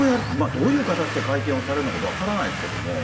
どういう形で会見をされるのか分からないですけれども。